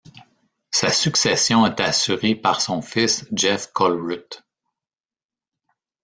Sa succession est assurée par son fils Jef Colruyt.